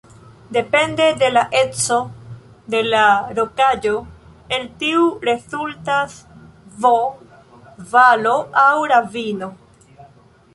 Depende de la eco de la rokaĵo el tio rezultas V-valo aŭ ravino.